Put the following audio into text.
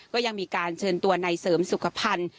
ก็ยังมีการเชิญตัวในเสริมสุขภัณฑ์